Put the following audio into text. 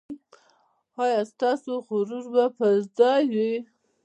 ایا ستاسو غرور به پر ځای وي؟